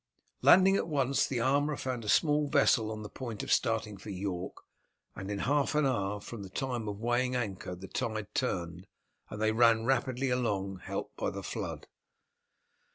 Landing at once the armourer found a small vessel on the point of starting for York, and in half an hour from the time of weighing anchor the tide turned, and they ran rapidly along, helped by the flood.